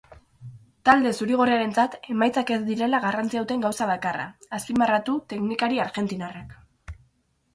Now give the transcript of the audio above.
Talde zuri-goriarentzat emaitzak ez direla garrantzia duten gauza bakarra azpimarratu teknikari argentinarrak.